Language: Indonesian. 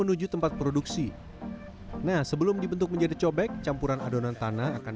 ini udah dibantuin ibunya padahal lima puluh